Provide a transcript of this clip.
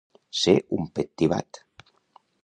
Ser un pet tibat.